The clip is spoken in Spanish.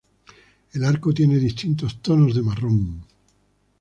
El arco tiene distintos tonos de marrón.